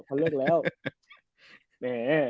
แหม่